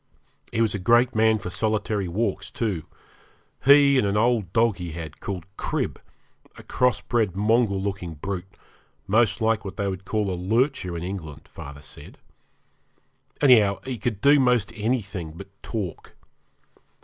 He was a great man for solitary walks, too he and an old dog he had, called Crib, a cross bred mongrel looking brute, most like what they call a lurcher in England, father said. Anyhow, he could do most anything but talk.